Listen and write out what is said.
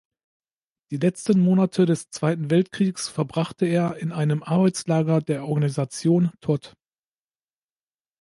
Die letzten Monate des Zweiten Weltkriegs verbrachte er in einem Arbeitslager der Organisation Todt.